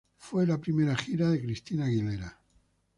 Fue la primera gira de Christina Aguilera.